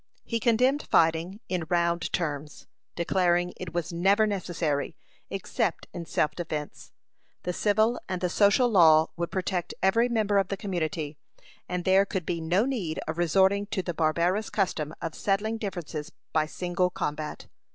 He condemned fighting in round terms, declaring it was never necessary, except in self defence. The civil and the social law would protect every member of the community, and there could be no need of resorting to the barbarous custom of settling differences by single combat.